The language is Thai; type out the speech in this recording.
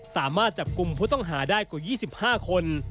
สามารถจับกลุ่มผู้ต้องหาได้กว่า๒๕คน